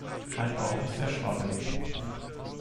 Mein Bauch ist sehr schwabbelig.